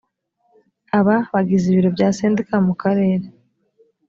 aba bagize ibiro bya sendika mu karere